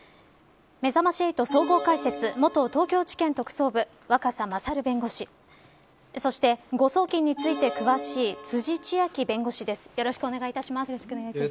めざまし８、総合解説元東京地検特捜部若狭勝弁護士そして、誤送金について詳しい辻千晶弁護士です。